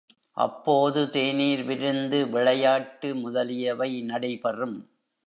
அப்போது தேனீர்விருந்து, விளையாட்டு முதலியவை நடைபெறும்.